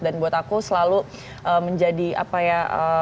dan buat aku selalu menjadi apa ya